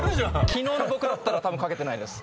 昨日の僕だったらたぶん書けてないです。